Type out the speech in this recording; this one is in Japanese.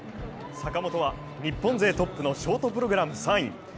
坂本は日本勢トップのショートプログラム３位。